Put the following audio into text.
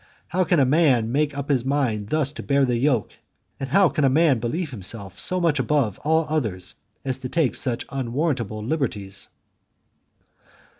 "How can a man make up his mind thus to bear the yoke, and how can a man believe himself so much above all others as to take such unwarrantable liberties!"